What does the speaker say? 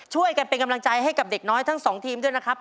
ช่วยกันเป็นกำลังใจให้กับเด็กน้อยทั้งสองทีมด้วยนะครับ